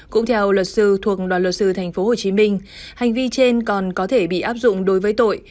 cũng theo luật sư thuộc đoàn luật sư tp hcm hành vi trên còn có thể bị áp dụng đối với tội